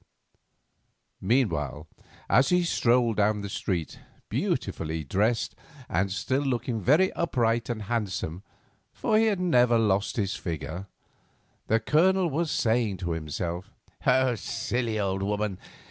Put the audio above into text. Meanwhile, as he strolled down the street, beautifully dressed, and still looking very upright and handsome—for he had never lost his figure—the Colonel was saying to himself: "Silly old woman!